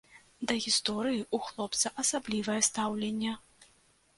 Да гісторыі ў хлопца асаблівае стаўленне.